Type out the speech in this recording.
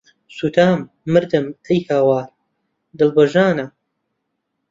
سوتام، مردم، ئەی هاوار، دڵ بە ژانە